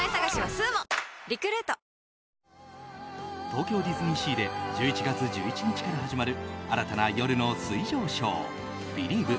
東京ディズニーシーで１１月１１日から始まる新たな夜の水上ショー「ビリーヴ！